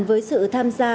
với sự tham gia